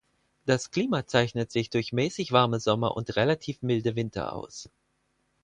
Das Klima zeichnet sich durch mäßig warme Sommer und relativ milde Winter aus.